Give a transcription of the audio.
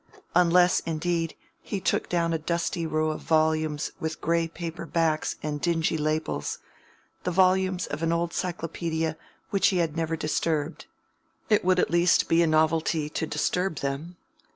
unless, indeed, he took down a dusty row of volumes with gray paper backs and dingy labels—the volumes of an old Cyclopaedia which he had never disturbed. It would at least be a novelty to disturb them.